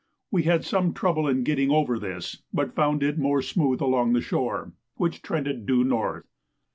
We had some trouble in getting over this, but found it more smooth along the shore, which trended due north.